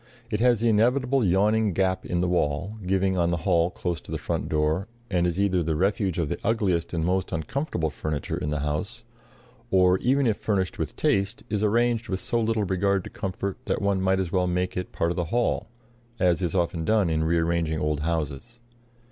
It has the inevitable yawning gap in the wall, giving on the hall close to the front door, and is either the refuge of the ugliest and most uncomfortable furniture in the house, or, even if furnished with taste, is arranged with so little regard to comfort that one might as well make it part of the hall, as is often done in rearranging old houses.